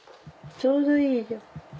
ちょうどいい。